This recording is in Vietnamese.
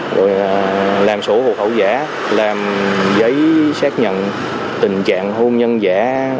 rồi làm sổ hộ khẩu giả làm giấy xác nhận tình trạng hôn nhân giả